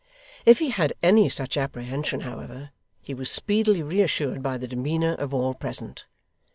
If he had any such apprehension, however, he was speedily reassured by the demeanour of all present.